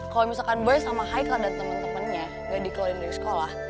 kalo misalkan boys sama haikal dan temen temennya gak dikeluarin dari sekolah